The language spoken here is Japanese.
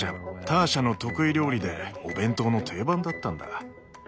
ターシャの得意料理でお弁当の定番だったんだ。